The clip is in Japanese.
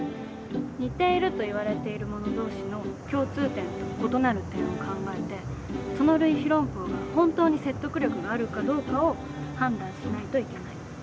似ているといわれているもの同士の共通点と異なる点を考えてその類比論法が本当に説得力があるかどうかを判断しないといけないんだ。